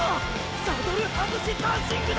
サドル外しダンシングだ！！